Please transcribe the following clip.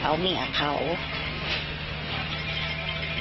เพราะไม่เคยถามลูกสาวนะว่าไปทำธุรกิจแบบไหนอะไรยังไง